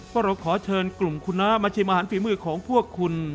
เพราะเราขอเชิญกลุ่มคุณน้ามาชิมอาหารฝีมือของพวกคุณ